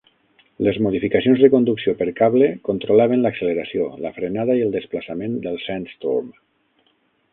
Les modificacions de conducció per cable controlaven l"acceleració, la frenada i el desplaçament del Sandstorm.